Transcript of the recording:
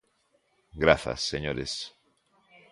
Grazas, señores.